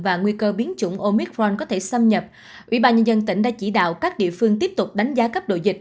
và nguy cơ biến chủng omicron có thể xâm nhập ubnd tỉnh đã chỉ đạo các địa phương tiếp tục đánh giá cấp độ dịch